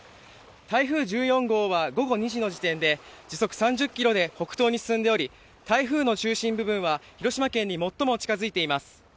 台風１４号は午後２時の時点で時速３０キロで北東に進んでおり台風の中心部分は広島県に最も近づいています。